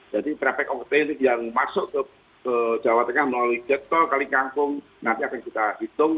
jadi trayfek akonting yang masuk ke jawa tengah melalui jeto kalingkangkung nanti akan kita hitung